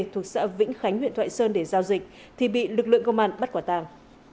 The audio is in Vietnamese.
thuộc xã vĩnh khánh huyện thoại sơn để giao dịch thì bị lực lượng công an bắt quả tàng